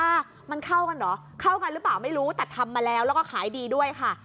ว่ามันเข้ากันเหรอเข้ากันหรือเปล่าไม่รู้แต่ทำมาแล้วแล้วก็ขายดีด้วยค่ะ